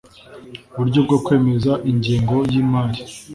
uburyo bwo kwemeza ingengo y imari